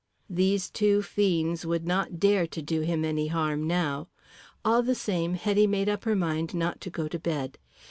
These two fiends would not dare to do him any harm now. All the same, Hetty made up her mind not to go to bed.